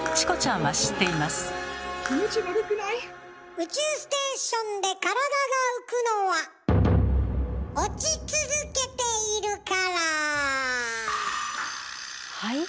宇宙ステーションで体が浮くのは落ち続けているから。